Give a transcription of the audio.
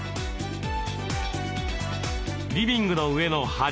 リビングの上の梁